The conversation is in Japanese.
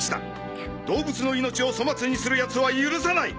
動物の命を粗末にするヤツは許さない！